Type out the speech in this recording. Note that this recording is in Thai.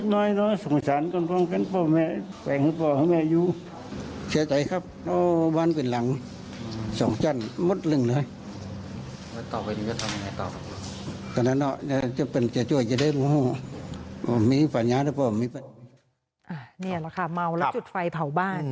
นี่แหละค่ะเมาแล้วจุดไฟเผาบ้าน